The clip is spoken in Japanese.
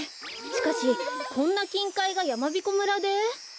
しかしこんなきんかいがやまびこ村で。